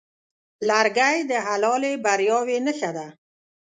لرګی د حلالې بریاوې نښه ده.